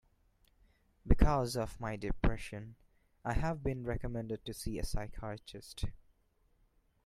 Because of my depression, I have been recommended to see a psychiatrist.